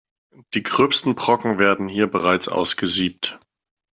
Die gröbsten Brocken werden hier bereits ausgesiebt.